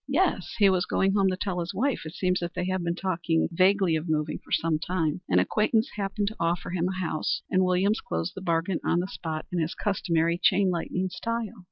"Yes. He was going home to tell his wife. It seems that they have been talking vaguely of moving for some time. An acquaintance happened to offer him a house, and Williams closed the bargain on the spot in his customary chain lightning style.